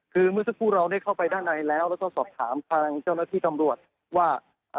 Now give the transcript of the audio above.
คือเมื่อสักครู่เราได้เข้าไปด้านในแล้วแล้วก็สอบถามทางเจ้าหน้าที่ตำรวจว่า